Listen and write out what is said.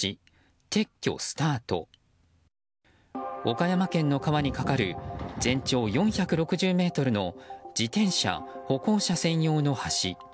岡山県の川に架かる全長４６０ｍの自転車・歩行者専用の橋。